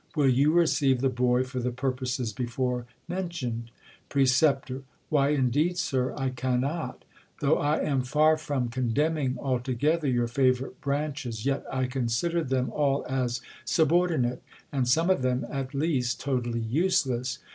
Will you receive the boy for the purposes before mentioned ? Precep, Why, indeed, Sir, 1 cannot. Though I am far from condemning altogether your favourite branches, yet I consider them all as subordinate, and some of them, at least, totally useless.